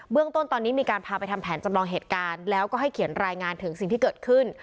เรื่องต้นตอนนี้มีการพาไปทำแผนจำลองเหตุการณ์แล้วก็ให้เขียนรายงานถึงสิ่งที่เกิดขึ้น